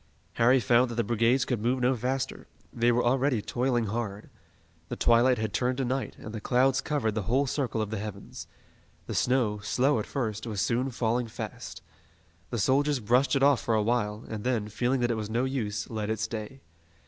Harry found that the brigades could move no faster. They were already toiling hard. The twilight had turned to night, and the clouds covered the whole circle of the heavens. The snow, slow at first, was soon falling fast. The soldiers brushed it off for a while, and then, feeling that it was no use, let it stay.